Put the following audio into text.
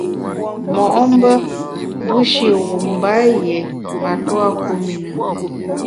Mo’mbe bushi wum mba yié matua kum i na.